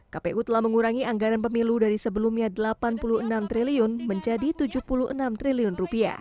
kpu telah mengurangi anggaran pemilu dari sebelumnya rp delapan puluh enam triliun menjadi rp tujuh puluh enam triliun